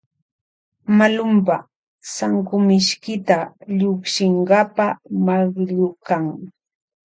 Malunpa sankumishkita llukchinkapa makllukan.